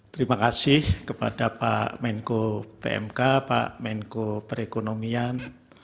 terima kasih kepada pak menko pmk pak menko perekonomian